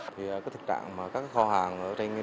thì có thực trạng mà các kho hàng ở trên địa bàn